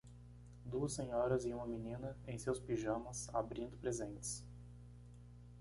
Duas senhoras e uma menina em seus pijamas abrindo presentes